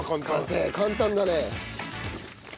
簡単だね。